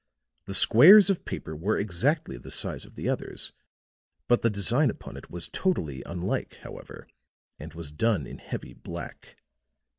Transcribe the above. The squares of paper were exactly the size of the others, but the design upon it was totally unlike, however, and was done in heavy black.